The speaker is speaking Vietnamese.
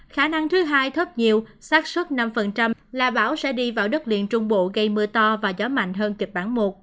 khả năng thứ hai thấp nhiều sát xuất năm là bão sẽ đi vào đất liền trung bộ gây mưa to và gió mạnh hơn kịch bản một